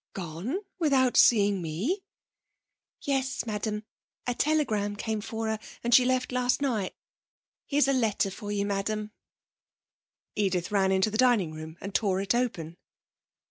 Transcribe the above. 'Gone without seeing me?' 'Yes, madam. A telegram came for her and she left last night. Here is a letter for you, madam.' Edith ran into the dining room and tore it open.